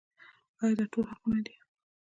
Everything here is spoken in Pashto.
آیا دا ټول حقونه دي؟